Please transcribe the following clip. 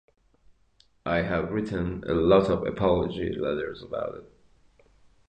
I have written a lot of apology letters about it.